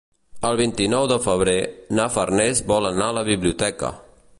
El vint-i-nou de febrer na Farners vol anar a la biblioteca.